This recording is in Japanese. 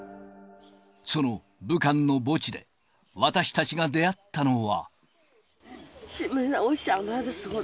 その武漢の墓地で、私たちが出会ったのは。